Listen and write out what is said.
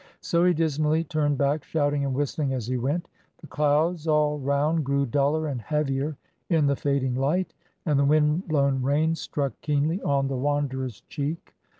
So he dismally turned back, shouting and whistling as he went. The clouds all round grew duller and heavier in the fading light, and the wind blown rain struck keenly on the wanderer's cheek.